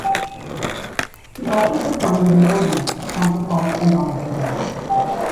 He also performed as an organist in concert halls and on the radio.